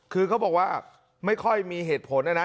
คือเขาบอกว่าไม่ค่อยมีเหตุผลนะนะ